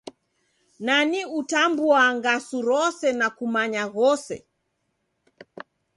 Nani utambua ngasu rose na kumanya ghose?